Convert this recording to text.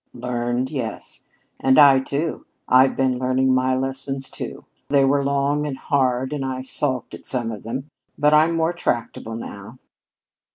"Learned? Yes. And I, too. I've been learning my lessons, too, they were long and hard and I sulked at some of them, but I'm more tractable new."